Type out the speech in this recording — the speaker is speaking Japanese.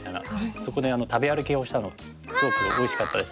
そこで食べ歩きをしたのすごくおいしかったです。